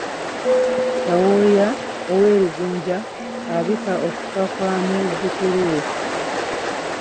Kawooya ow'e Lungujja abika okufa kwa muzzukulu we